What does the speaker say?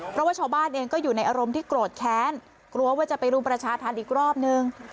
เพราะว่าชาวบ้านเองก็อยู่ในอารมณ์ที่โกรธแค้นกลัวว่าจะไปรุมประชาธรรมอีกรอบนึง